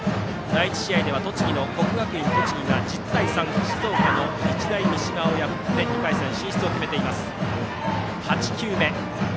第１試合では栃木の国学院栃木が１０対３で静岡の日大三島を破って２回戦進出を決めています。